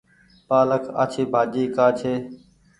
پآلڪ آڇي ڀآڃي ڪآ ڇي۔